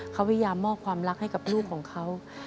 เขาพยายามมอบความรักให้กับลูกของเขา